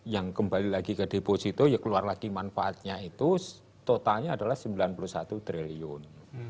yang kembali lagi ke deposito ya keluar lagi manfaatnya itu totalnya adalah sembilan puluh satu triliun